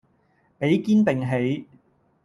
比肩並起